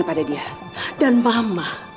kepada dia dan mama